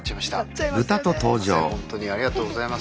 ほんとにありがとうございます。